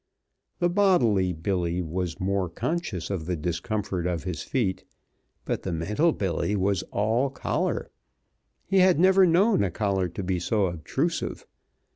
The bodily Billy was more conscious of the discomfort of his feet, but the mental Billy was all collar. He had never known a collar to be so obtrusive.